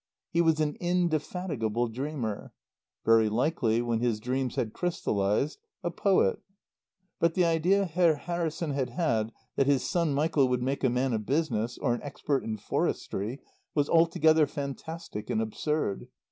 He was an indefatigable dreamer. Very likely when his dreams had crystallized a poet. But the idea Herr Harrison had had that his son Michael would make a man of business, or an expert in Forestry, was altogether fantastic and absurd.